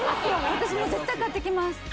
私も絶対買ってきます